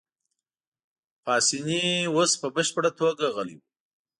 پاسیني اوس په بشپړه توګه غلی وو.